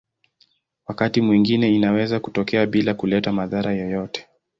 Wakati mwingine inaweza kutokea bila kuleta madhara yoyote.